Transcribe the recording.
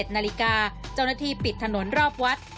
๑นาฬิกาเจ้าหน้าที่ปิดถนนรอบวัด